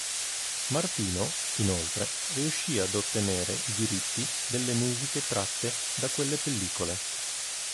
Martino, inoltre, riuscì ad ottenere i diritti delle musiche tratte da quelle pellicole.